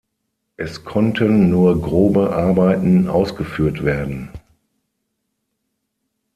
Es konnten nur grobe Arbeiten ausgeführt werden.